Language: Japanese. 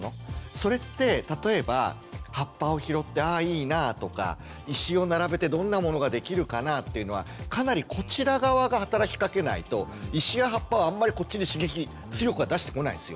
それって例えば葉っぱを拾ってああいいなとか石を並べてどんなものができるかな？っていうのはかなりこちら側が働きかけないと石や葉っぱはあんまりこっちに刺激強くは出してこないんですよね。